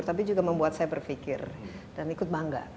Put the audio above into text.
tapi juga membuat saya berpikir dan ikut bangga